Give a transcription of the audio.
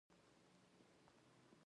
ما پر دې هم ډېر زورولی.